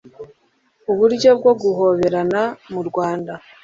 Uburyo bwo guhoberana mu Rwanda